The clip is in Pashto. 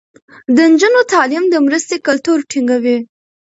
د نجونو تعليم د مرستې کلتور ټينګوي.